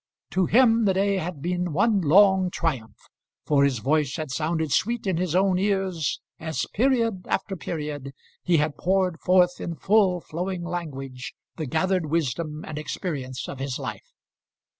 To him the day had been one long triumph, for his voice had sounded sweet in his own ears as, period after period, he had poured forth in full flowing language the gathered wisdom and experience of his life.